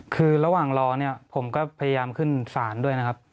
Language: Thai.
คือระหว่างรอเนี่ยผมก็พยายามขึ้นศาลด้วยนะครับ